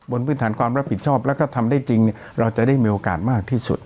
พื้นฐานความรับผิดชอบแล้วก็ทำได้จริงเราจะได้มีโอกาสมากที่สุด